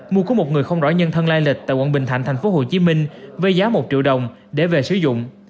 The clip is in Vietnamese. mua của một người không rõ nhân thân lai lịch tại quận bình thạnh thành phố hồ chí minh với giá một triệu đồng để về sử dụng